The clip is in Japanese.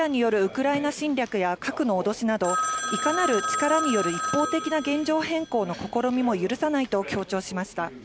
私たちはロシアによるウクライナ侵略や、核の脅しなど、いかなる、力による一方的な現状変更の試みも許さないと強調しました。